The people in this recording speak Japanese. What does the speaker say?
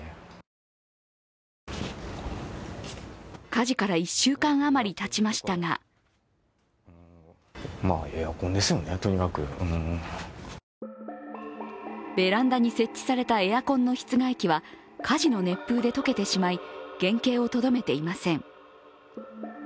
火事から１週間あまりたちましたがベランダに設置されたエアコンの室外機は、火事の熱風で溶けてしまい原形をとどめていません。